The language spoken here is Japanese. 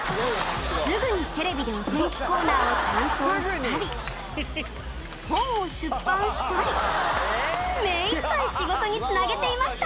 すぐにテレビでお天気コーナーを担当したり本を出版したり目いっぱい仕事に繋げていました